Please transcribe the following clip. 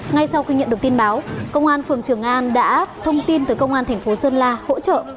ngay sau khi nhận được tin báo công an phường trường an đã thông tin từ công an thành phố sơn la hỗ trợ